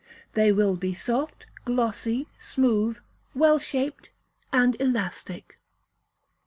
They will be soft, glossy, smooth, well shaped, and elastic.